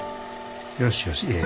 よしよしええよ。